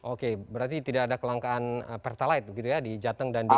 oke berarti tidak ada kelangkaan pertalaid gitu ya di jateng dan dia